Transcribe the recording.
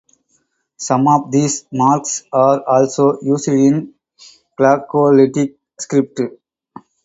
Some of these marks are also used in Glagolitic script.